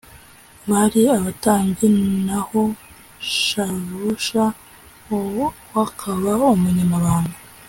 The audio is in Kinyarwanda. bari abatambyi naho shavusha w akaba umunyamabanga